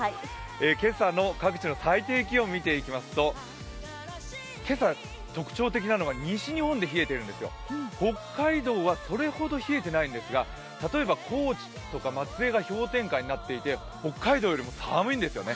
今朝の各地の最低気温を見ていきますと今朝、特徴的なのが西日本で冷えてるんですよる北海道はそれほど冷えていないんですが、例えば高知とか松江が氷点下になっていて北海道よりも寒いんですよね。